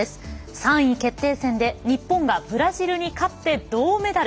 ３位決定戦で日本がブラジルに勝って銅メダル。